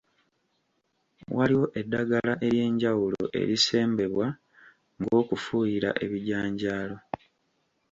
Waliwo eddagala ery'enjawulo erisembebwa ng'okufuuyira ebijanjaalo.